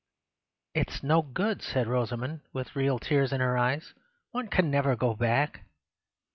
"It is no good," said Rosamund, with real tears in her eyes; "one can never go back."